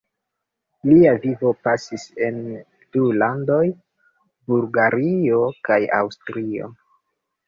Lia vivo pasis en du landoj: Bulgario kaj Aŭstrio.